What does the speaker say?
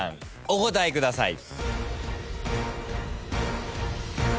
お答えください。